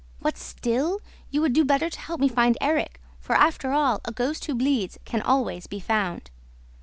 "What, still? You would do better to help me find Erik ... for, after all, a ghost who bleeds can always be found."